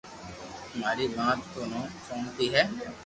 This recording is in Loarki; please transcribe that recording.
ماري مات ارو نوم سونتي ھي